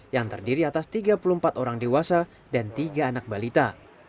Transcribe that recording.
yang terdiri atas tiga puluh empat orang dewasa dan tiga anak balita